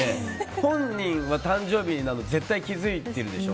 本人は誕生日なの絶対に気づいてるでしょ。